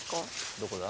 どこだ？